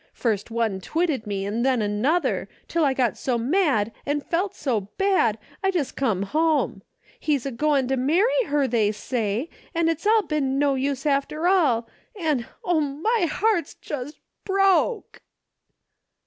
First one twitted me an' then another, till I got so mad and felt so bad I just come home. He's a goin' to marry her, they say, an' it's all been no use after all, an' oh, my heart's just broke